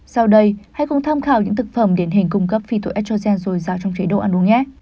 sau đây hãy cùng tham khảo những thực phẩm điển hình cung cấp phyto estrogen dồi dào trong chế độ ăn uống nhé